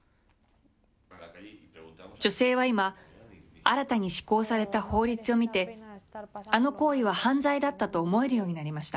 女性は今、新たに施行された法律を見て、あの行為は犯罪だったと思えるようになりました。